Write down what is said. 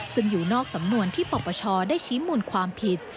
ซึ่งอยู่นอกสำนวนที่ปปชได้ชี้มูลความผิด